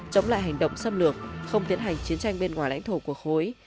chống lại hành động xâm lược không tiến hành chiến tranh bên ngoài lãnh thổ của khối